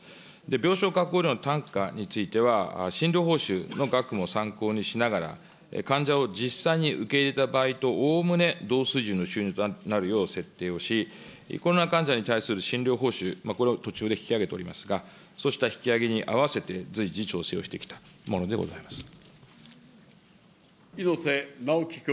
病床確保料の単価については、診療報酬の額も参考にしながら、患者を実際に受け入れた場合とおおむね同水準の収入となるよう設定をし、コロナ患者に対する診療報酬、これを途中で引き上げておりますが、そうした引き上げに合わせて、随時調整をしてきたものでございま猪瀬直樹君。